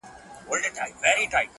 ټولي دنـيـا سره خــبري كـــوم ـ